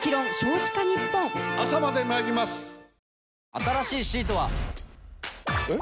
新しいシートは。えっ？